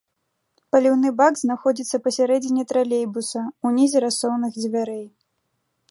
Паліўны бак знаходзіцца пасярэдзіне тралейбуса, унізе рассоўных дзвярэй.